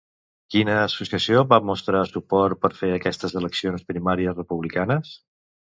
Quina associació va mostrar suport per fer aquestes eleccions primàries republicanes?